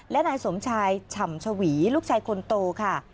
และนายสมชายฉ่ำชวีลูกชายคนโตค่ะ